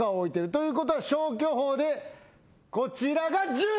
ということは消去法でこちらが１０だ！